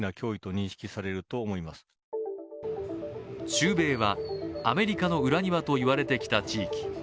中米は、アメリカの裏庭と言われてきた地域。